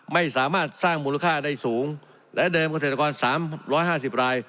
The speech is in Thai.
ไม่สามารถสร้างมูลค่าได้สูงและเดิมเกษตรกร๓๕๐ราย